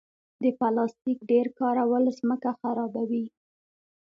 د پلاستیک ډېر کارول ځمکه خرابوي.